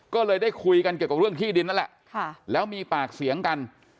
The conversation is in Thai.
ก็เลยได้คุยกันเกี่ยวกับเรื่องที่ดินนั่นแหละแล้วมีปากเสียงกัน